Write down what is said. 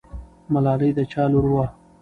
ملالۍ د چا لور وه؟